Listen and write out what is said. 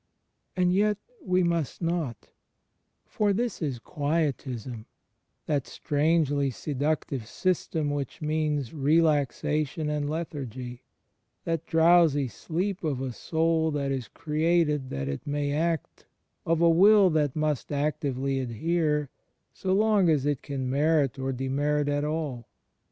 And yet we must not; for this is Quietism — that strangely seductive system which means relaxa tion and lethargy — that drowsy sleep of a soul that is created that it may act, of a will that must actively adhere, so long as it can merit or demerit at all.